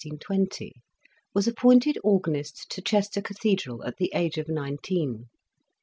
was ap pointed Organist to Chester Cathedral at the age of nineteen.